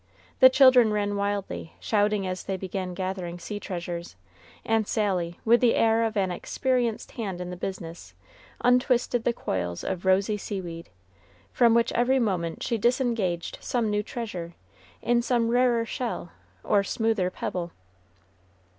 The children ran wildly, shouting as they began gathering sea treasures; and Sally, with the air of an experienced hand in the business, untwisted the coils of rosy seaweed, from which every moment she disengaged some new treasure, in some rarer shell or smoother pebble.